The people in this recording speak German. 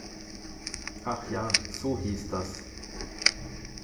Ach ja, so hieß das.